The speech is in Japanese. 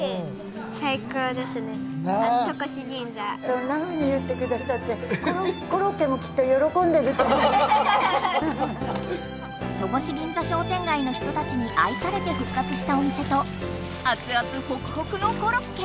そんなふうに言ってくださって戸越銀座商店街の人たちに愛されて復活したお店とアツアツホクホクのコロッケ。